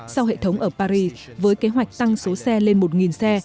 sau hệ thống ở paris với kế hoạch tăng số xe lên một xe